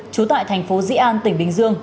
chú tại thành phố dĩ an tỉnh bình dương